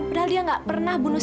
padahal dia gak pernah bunuh